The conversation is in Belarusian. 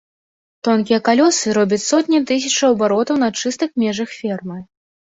Тонкія калёсы робяць сотні і тысячы абаротаў на чыстых межах фермы.